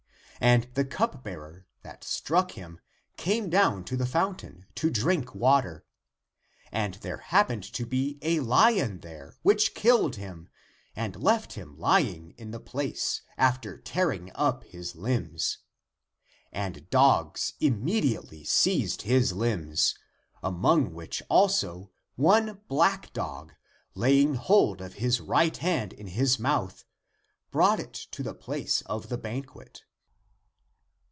And the cup bearer that struck him came down to the fountain to draw water. And there happened to be a lion there which killed him and left him lying in the place, after tearing up his limbs. And dogs immediately seized his limbs, among which also one black dog, laying hold of his right hand in his mouth, brought it to the place of the banquet.